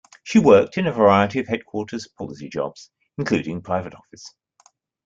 She worked in a variety of Headquarters policy jobs, including private office.